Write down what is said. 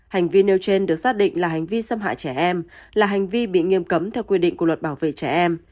hành vi nêu trên được xác định là hành vi xâm hại trẻ em là hành vi bị nghiêm cấm theo quy định của luật bảo vệ trẻ em